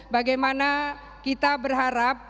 bagaimana kita berharap